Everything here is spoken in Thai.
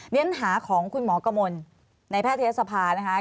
เนี่ยปัญหาของคุณหมอกะมนต์ในแพทยศภานะคะ